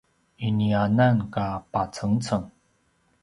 iniananka pacengceng!